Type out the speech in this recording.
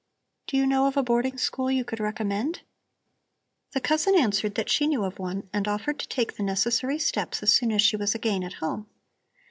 Do you know of a boarding school you could recommend?" The cousin answered that she knew of one, and offered to take the necessary steps as soon as she was again at home.